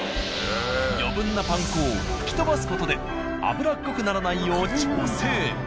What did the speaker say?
余分なパン粉を吹き飛ばす事で油っこくならないよう調整。